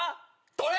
取れ！